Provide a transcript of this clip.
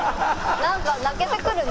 なんか泣けてくるね。